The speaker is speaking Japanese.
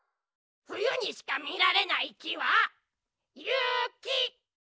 ふゆにしかみられないきはゆき。